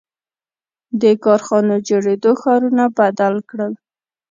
• د کارخانو جوړېدو ښارونه بدل کړل.